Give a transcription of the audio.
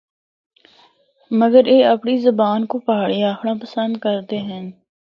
مگر اے اپنڑی زبان کو پہاڑی آکھنڑا پسند کردے ہن۔